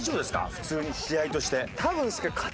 普通に試合として。